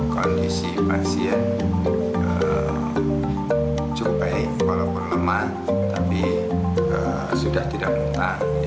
kondisi pasien cukup baik walaupun lemah tapi sudah tidak muntah